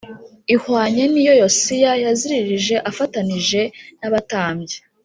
ihwanye n iyo Yosiya yaziririje afatanije n abatambyi